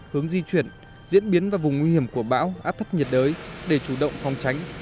hướng di chuyển diễn biến vào vùng nguy hiểm của bão áp thấp nhiệt đới để chủ động phòng tránh